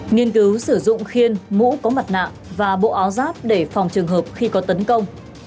nghiên cứu sử dụng khiên mũ có mặt nạ và bộ áo giáp để phòng trường hợp khi có tấn công